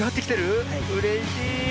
うれしい。